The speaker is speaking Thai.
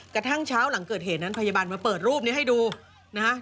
กระทั่งเช้าหลังเกิดเหตุนั้นพยาบาลมาเปิดรูปนี้ให้ดูนะฮะ